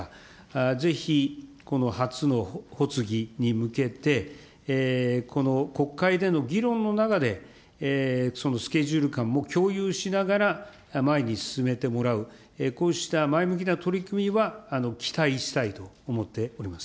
ぜひこの初の発議に向けて、この国会での議論の中で、スケジュール感も共有しながら前に進めてもらう、こうした前向きな取り組みは期待したいと思っております。